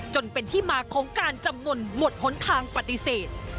จนเป็นที่มาของการจำนวนหมดหนทางปฏิเสธ